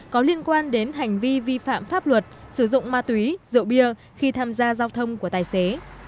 có liên quan đến hành vi vi phạm pháp luật sử dụng ma túy rượu bia khi tham gia giao thông của tài xế